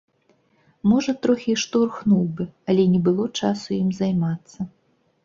Можа троху і штурхнуў бы, але не было часу ім займацца.